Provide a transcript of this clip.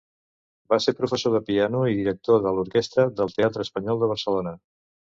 Va ser professor de piano i director de l'orquestra del Teatre Espanyol de Barcelona.